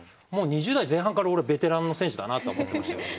もう２０代前半から俺ベテランの選手だなとは思ってました。